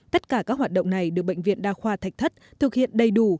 tất cả các hoạt động này được bệnh viện đa khoa thạch thất thực hiện đầy đủ